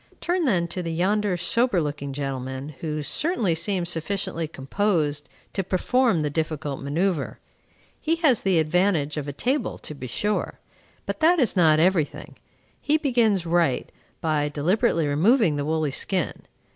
Turn then to yonder sober looking gentleman, who certainly seems sufficiently composed to perform the difficult manoeuvre. He has the advantage of a table to be sure; but that is not every thing. He begins right, by deliberately removing the woolly skin.